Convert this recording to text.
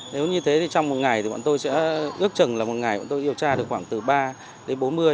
nếu như thế thì trong một ngày thì bọn tôi sẽ ước chừng là một ngày bọn tôi điều tra được khoảng từ ba đến bốn mươi